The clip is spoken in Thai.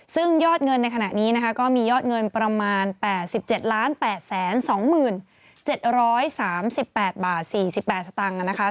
ซึ่งยอดเงินในขณะนี้นะคะก็มียอดเงินประมาณ๘๗๘๒๗๓๘บาท๔๘สตางค์นะคะ